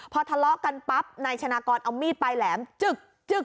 พอทะเลาะกันปั๊บนายชนะกรเอามีดปลายแหลมจึกจึก